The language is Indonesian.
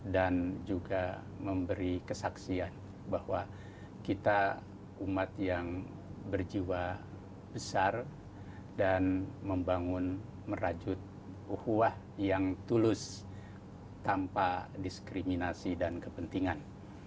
dan juga memberi kesaksian bahwa kita umat yang berjiwa besar dan membangun merajut uhuah yang tulus tanpa diskriminasi dan kepentingan